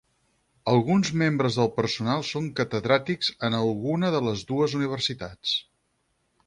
Alguns membres del personal són catedràtics en alguna de les dues universitats.